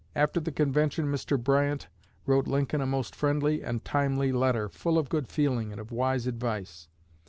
After the convention Mr. Bryant wrote Lincoln a most friendly and timely letter, full of good feeling and of wise advice.